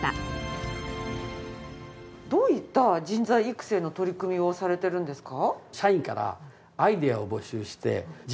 どういった人材育成の取り組みをされているんですか？